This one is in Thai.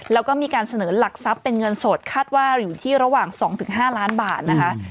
แล้วก็มีการเสนอหลักทรัพย์เป็นเงินสดคาดว่าอยู่ที่ระหว่าง๒๕ล้านบาทนะคะ